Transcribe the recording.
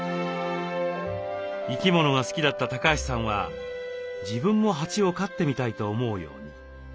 生き物が好きだった橋さんは自分も蜂を飼ってみたいと思うように。